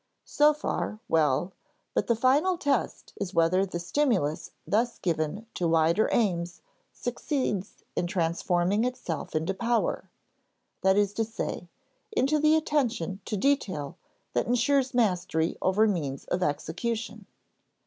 So far, well; but the final test is whether the stimulus thus given to wider aims succeeds in transforming itself into power, that is to say, into the attention to detail that ensures mastery over means of execution.